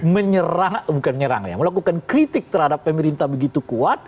menyerang bukan menyerang ya melakukan kritik terhadap pemerintah begitu kuat